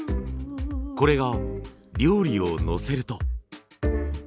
これが料理をのせると。